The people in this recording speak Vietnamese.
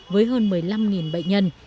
với hơn một mươi năm bệnh nhân